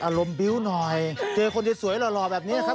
โอ้โหอารมณ์บิ้วหน่อยเจอคนที่สวยหล่อหล่อแบบนี้นะครับ